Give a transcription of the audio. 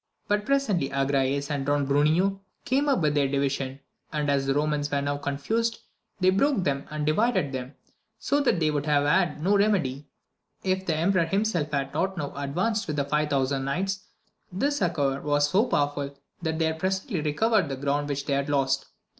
But presently Agrayes and Don Bruneo came up wdth their division, and as the Romans were now confused, they broke them and divided them, so that they would have had no remedy, if the emperor himself had not now ad vanced with five thousand knights ; this succour was so powerful that they presently recovered the ground which they had lost.